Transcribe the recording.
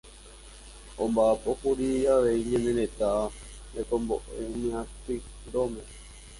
omba'apókuri avei ñane retã rekombo'e myatyrõme